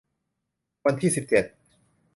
วันที่ สิบเจ็ด